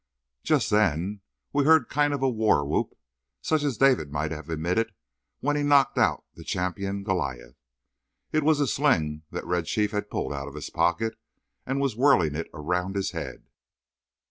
Just then we heard a kind Of war whoop, such as David might have emitted when he knocked out the champion Goliath. It was a sling that Red Chief had pulled out of his pocket, and he was whirling it around his head.